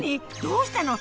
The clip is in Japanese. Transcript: どうしたの？